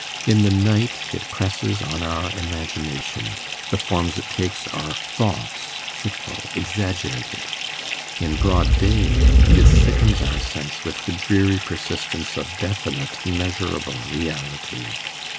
In the night it presses on our imagination the forms it takes are false, fitful, exaggerated; in broad day it sickens our sense with the dreary persistence of definite measurable reality.